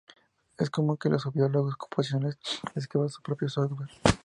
Es común que los biólogos computacionales escriban su propio software.